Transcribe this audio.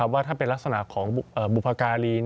ว่าถ้าเป็นลักษณะของบุพการี